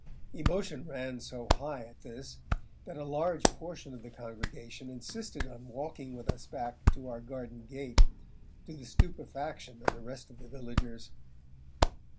Emotion ran so high at this, that a large portion of the congregation insisted on walking with us back to our garden gate, to the stupefaction of the rest of the villagers.